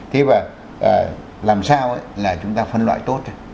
thế và làm sao là chúng ta phân loại tốt